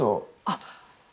あっ。